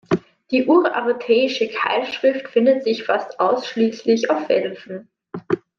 Die urartäische Keilschrift findet sich fast ausschließlich auf Felsen.